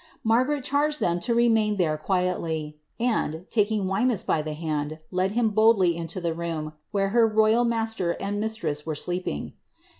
Margaret charged ihem to remain lliere quicily, and, taking Wemys by the hand, led him boldly into the room, where her royal master and mistress were sleeping.